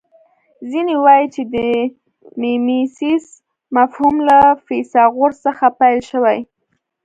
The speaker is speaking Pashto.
ځینې وايي چې د میمیسیس مفهوم له فیثاغورث څخه پیل شوی